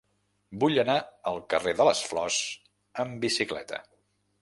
Vull anar al carrer de les Flors amb bicicleta.